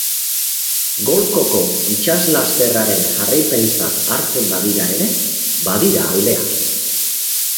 Golkoko itsaslasterraren jarraipentzat hartzen bada ere, badira aldeak.